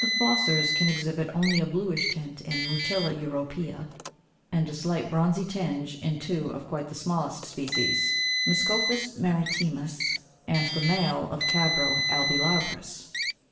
The fossors can exhibit only a bluish tint in Mutilla Europæa (pl. A, 4, 5), and a slight bronzy tinge in two of quite the smallest species, Miscophus maritimus and the [male] of Crabro albilabris.